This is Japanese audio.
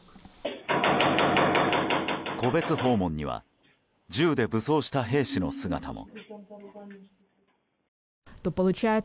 戸別訪問には銃で武装した兵士の姿も。